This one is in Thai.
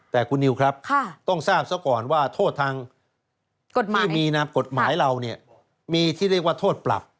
แต่คุณนิวครับต้องทราบซะก่อนว่าโทษทางกฎหมายที่มีนามกฎหมายเราเนี่ยมีที่เรียกว่าโทษปรับ